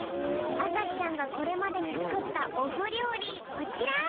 あさひちゃんがこれまでにつくったおふりょうりこちら！